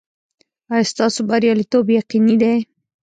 ایا ستاسو بریالیتوب یقیني دی؟